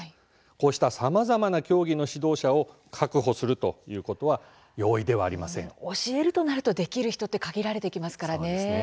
こうしたさまざまな競技の指導者を確保するということは教えるとなるとできる人って限られてきますからね。